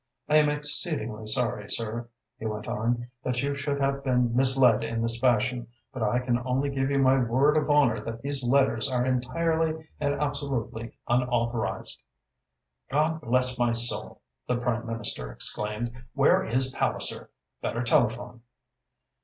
I am exceedingly sorry, sir," he went on, "that you should have been misled in this fashion, but I can only give you my word of honour that these letters are entirely and absolutely unauthorised." "God bless my soul!" the Prime Minister exclaimed. "Where is Palliser? Better telephone."